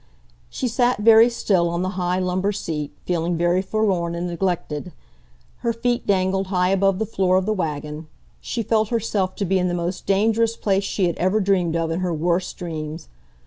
She sat very still on the high lumber seat, feeling very forlorn and neglected. Her feet dangled high above the floor of the wagon. She felt herself to be in the most dangerous place she had ever dreamed of in her worst dreams.